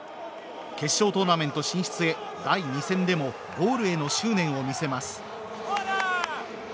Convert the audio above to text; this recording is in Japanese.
決勝トーナメント進出へ第２戦でもゴールの執念を見せます。